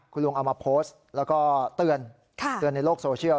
คุณลุงเอามาโพสต์แล้วก็เตือนเตือนในโลกโซเชียล